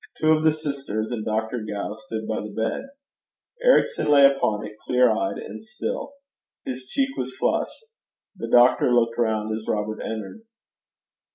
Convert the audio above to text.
Two of the sisters and Dr. Gow stood by the bed. Ericson lay upon it, clear eyed, and still. His cheek was flushed. The doctor looked round as Robert entered.